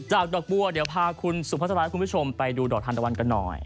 ดอกบัวเดี๋ยวพาคุณสุภาษาคุณผู้ชมไปดูดอกทานตะวันกันหน่อย